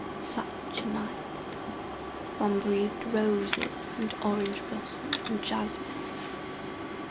Such a night! One breathed roses and orange blossoms and jasmine.